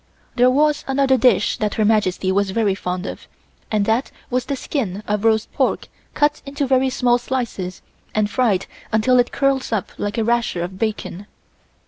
There was another dish that Her Majesty was very fond of and that was the skin of roast pork cut into very small slices and fried until it curls up like a rasher of bacon.